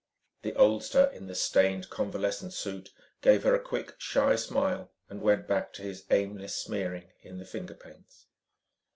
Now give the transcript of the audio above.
The oldster in the stained convalescent suit gave her a quick, shy smile and went back to his aimless smearing in the finger paints.